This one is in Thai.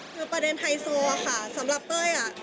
คือประเด็นไฮโซอะค่ะสำหรับเต้ย